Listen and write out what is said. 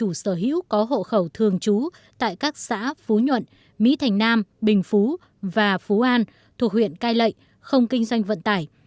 giảm tối đa một trăm linh giá dịch vụ cho các khẩu thường trú tại các xã phú nhuận mỹ thành nam bình phú và phú an thuộc huyện cai lệnh không kinh doanh vận tải